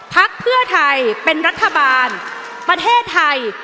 พักเพื่อไทยเป็นรัฐบาลประเทศไทย